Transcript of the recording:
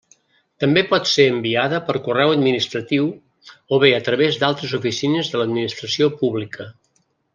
També pot ser enviada per correu administratiu, o bé a través d'altres oficines de l'Administració Pública.